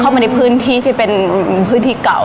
มาในพื้นที่ที่เป็นพื้นที่เก่า